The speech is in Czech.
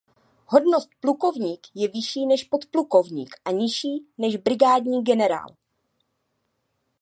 Hodnost plukovník je vyšší než podplukovník a nižší než brigádní generál.